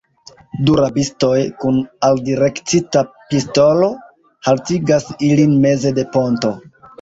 Du rabistoj, kun aldirektita pistolo, haltigas ilin meze de ponto.